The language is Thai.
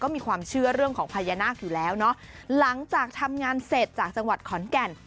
มีความเชื่อเรื่องของพญานาคอยู่แล้วเนอะหลังจากทำงานเสร็จจากจังหวัดขอนแก่น